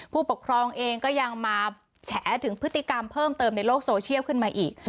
ผู้ปกครองเองก็ยังมาแฉถึงพฤติกรรมเพิ่มเติมในโลกโซเชียลขึ้นมาอีก